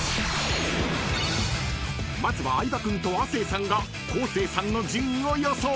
［まずは相葉君と亜生さんが昴生さんの順位を予想］